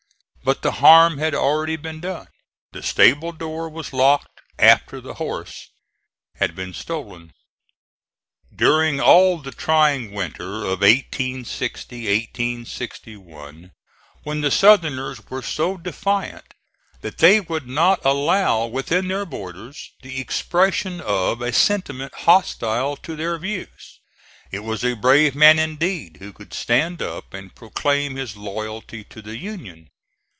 But the harm had already been done. The stable door was locked after the horse had been stolen. During all of the trying winter of 1860 1, when the Southerners were so defiant that they would not allow within their borders the expression of a sentiment hostile to their views, it was a brave man indeed who could stand up and proclaim his loyalty to the Union.